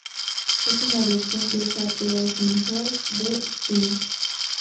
Es una versión de Shape of my heart, de Sting.